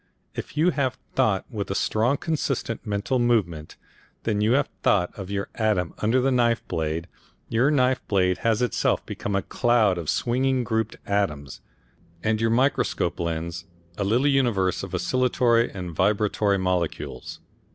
If you have thought with a strong consistent mental movement, then when you have thought of your atom under the knife blade, your knife blade has itself become a cloud of swinging grouped atoms, and your microscope lens a little universe of oscillatory and vibratory molecules.